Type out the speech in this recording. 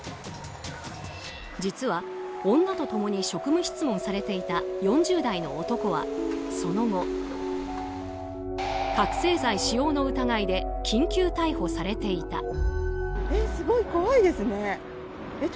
実は女と共に職務質問されていた４０代の男はその後、覚醒剤使用の疑いで緊急逮捕されていた。